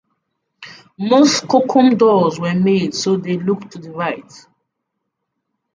Most Skookum dolls were made so they look to the right.